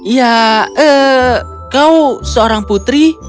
ya kau seorang putri